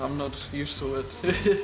saya tidak biasa dengan itu